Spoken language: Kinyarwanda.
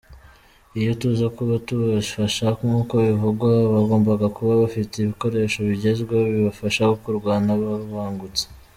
Iyo tuza kuba tubafasha nkuko bivugwa, bagombaga kuba bafite ibikoresho bigezweho, bibafasha kurwana babangutse.